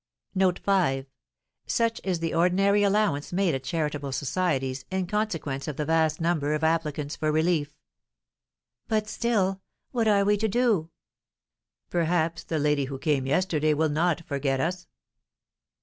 Such is the ordinary allowance made at charitable societies, in consequence of the vast number of applicants for relief. "But, still, what are we to do?" "Perhaps the lady who came yesterday will not forget us!"